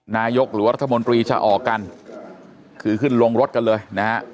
นายกรัฐมนตรีจะออกกันคือขึ้นลงรถกันเลยนะฮะ